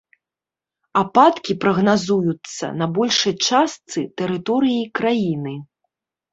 Ападкі прагназуюцца на большай частцы тэрыторыі краіны.